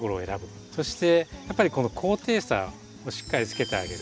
そしてやっぱりこの高低差をしっかりつけてあげる。